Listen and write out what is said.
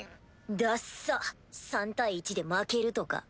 だっさ３対１で負けるとか。